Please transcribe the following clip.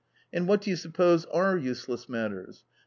And what do you suppose are useless matters